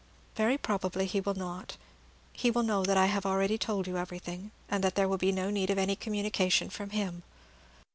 "Very probably he will not. He will know that I have already told you everything, so that there will be no need of any communication from him."